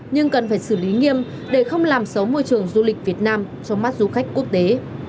nhưng cần phải xử lý nghiêm để không làm xấu môi trường du lịch việt nam trong mắt du khách quốc tế